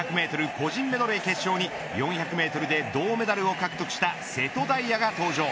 個人メドレー決勝に４００メートルで銅メダルを獲得した瀬戸大也が登場